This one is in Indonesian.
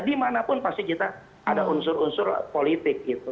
dimanapun pasti kita ada unsur unsur politik gitu